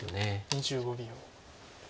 ２５秒。